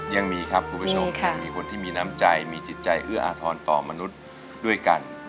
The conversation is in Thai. ยังมีครับคุณผู้ชมยังมีคนที่มีน้ำใจมีจิตใจเอื้ออาทรต่อมนุษย์ด้วยกัน